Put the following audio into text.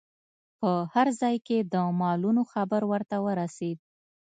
په هر ځای کې د مالونو خبر ورته ورسید.